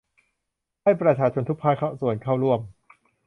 ให้ประชาชนทุกภาคส่วนเข้าร่วม